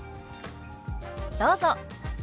どうぞ。